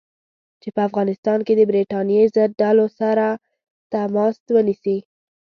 چې په افغانستان کې د برټانیې ضد ډلو سره تماس ونیسي.